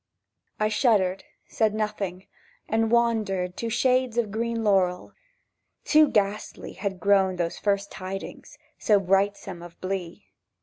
I shuddered, said nothing, and wandered To shades of green laurel: Too ghastly had grown those first tidings So brightsome of blee!